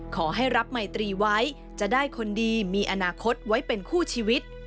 ขอให้รับไมตรีไว้จะได้คนดีมีอนาคตไว้เป็นคู่ชีวิต